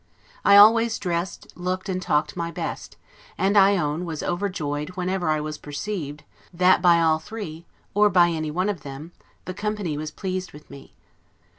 I always dressed, looked, and talked my best; and, I own, was overjoyed whenever I perceived, that by all three, or by any one of them, the company was pleased with me.